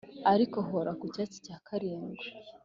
ariko holler: 'ku cyatsi cya karindwi